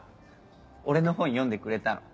俺の本読んでくれたの？